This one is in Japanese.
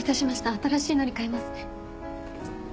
新しいのにかえますね。